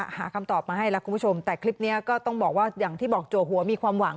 หาคำตอบมาให้แล้วคุณผู้ชมแต่คลิปนี้ก็ต้องบอกว่าอย่างที่บอกจัวหัวมีความหวัง